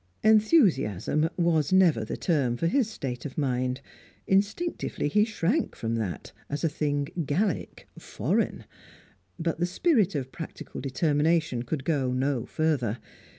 Enthusiasm was never the term for his state of mind; instinctively he shrank from that, as a thing Gallic, "foreign." But the spirit of practical determination could go no further.